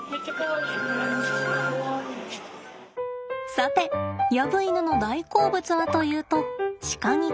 さてヤブイヌの大好物はというと鹿肉です。